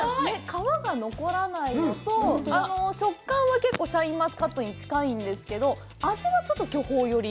皮が残らないのと、食感は結構シャインマスカットに近いんですけど、味はちょっと巨峰寄り。